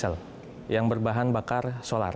seperti yang kita lihat di belakang ini